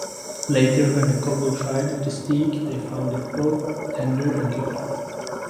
Later when the couple tried the steak they found it both tender and good.